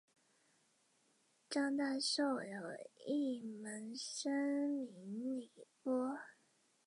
他被埋葬在芝加哥摩根公园附近的希望山公墓。